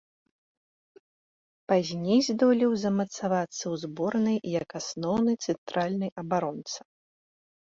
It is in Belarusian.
Пазней здолеў замацавацца ў зборнай як асноўны цэнтральны абаронца.